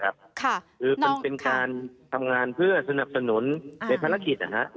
คือมันเป็นการทำงานเพื่อสนับสนุนในภารกิจนะครับ